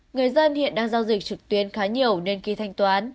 người dân hiện đang giao dịch trực tuyến khá nhiều nên khi thanh toán